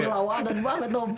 berlawanan banget om